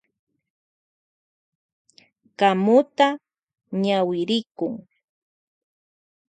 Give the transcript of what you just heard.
Ñawirikun kamuta.